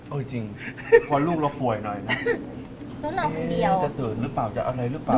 เออจริงพอลูกเราป่วยหน่อยนะแล้วนอนคนเดียวจะตื่นหรือเปล่าจะอะไรหรือเปล่า